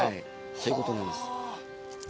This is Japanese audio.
そういうことなんです。